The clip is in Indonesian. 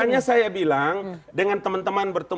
iya oke kita mau berbicara